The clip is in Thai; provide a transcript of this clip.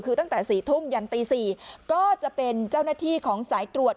คือตั้งแต่๔ทุ่มยันตี๔ก็จะเป็นเจ้าหน้าที่ของสายตรวจ